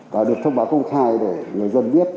và được thông báo công khai để người dân biết